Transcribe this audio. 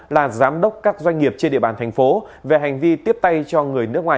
là giám đốc các doanh nghiệp trên địa bàn thành phố về hành vi tiếp tay cho người nước ngoài